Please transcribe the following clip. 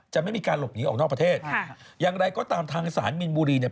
ไม่มีการหลบหนีออกนอกประเทศค่ะอย่างไรก็ตามทางสารมินบุรีเนี่ย